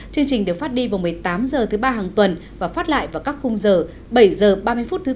chương trình được phát đi vào một mươi tám h thứ ba hàng tuần và phát lại vào các khung giờ bảy h ba mươi phút thứ sáu